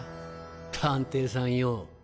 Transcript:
探偵さんよ。